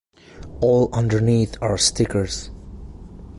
All underneath are stickers.